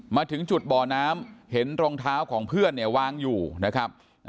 มาถึงจุดบ่อน้ำเห็นรองเท้าของเพื่อนเนี่ยวางอยู่นะครับ